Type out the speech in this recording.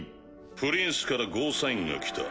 プリンスからゴーサインが来た。